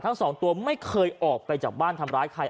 ทั้งสองตัวไม่เคยออกไปจากบ้านทำร้ายใคร